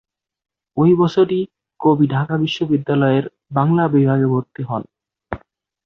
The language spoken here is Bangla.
ওই বছরই কবি ঢাকা বিশ্ববিদ্যালয়ের বাংলা বিভাগে ভর্তি হন।